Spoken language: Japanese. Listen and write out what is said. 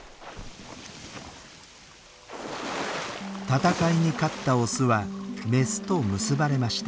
闘いに勝ったオスはメスと結ばれました。